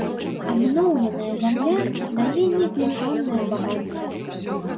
Абноўленая зямля дае незлічоныя багацці.